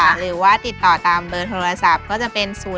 หรือว่าติดต่อตามเบอร์โทรศัพท์ก็จะเป็น๐๘